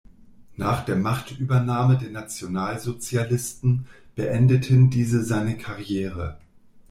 Nach der Machtübernahme der Nationalsozialisten beendeten diese seine Karriere.